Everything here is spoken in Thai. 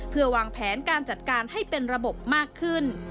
เพื่อวางแผนการจัดการให้เป็นระบบมากขึ้น